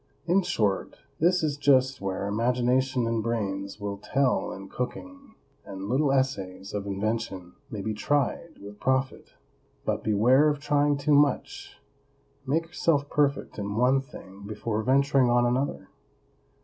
In short, this is just where imagination and brains will tell in cooking, and little essays of invention may be tried with profit. But beware of trying too much; make yourself perfect in one thing before venturing on another.